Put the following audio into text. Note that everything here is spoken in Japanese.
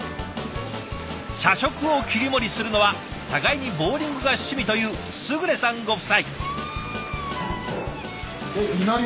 社食を切り盛りするのは互いにボウリングが趣味という勝さんご夫妻。